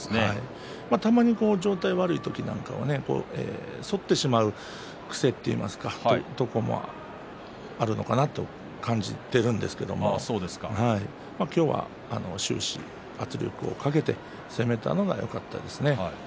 たまに状態が悪い時なんかは反ってしまう癖といいますかそういうところもあるのかなと感じているんですけど今日は終始、圧力をかけて攻めたのがよかったですね。